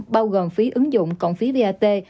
bao gồm phí ứng dụng cộng phí vat